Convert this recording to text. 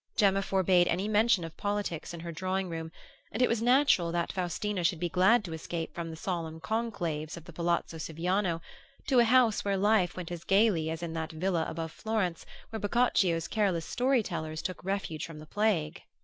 Gemma forbade any mention of politics in her drawing room, and it was natural that Faustina should be glad to escape from the solemn conclaves of the palazzo Siviano to a house where life went as gaily as in that villa above Florence where Boccaccio's careless story tellers took refuge from the plague.